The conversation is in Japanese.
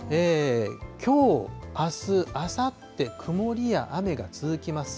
きょう、あす、あさって、曇りや雨が続きます。